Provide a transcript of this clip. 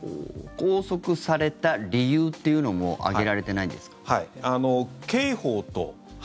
拘束された理由というのも挙げられてないんですか。